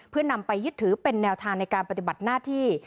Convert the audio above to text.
เพื่อนำไปยึดถือเป็นแนวทางในการปฏิบัติหน้าที่